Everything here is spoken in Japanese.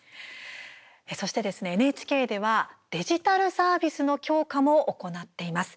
そしてですね、ＮＨＫではデジタルサービスの強化も行っています。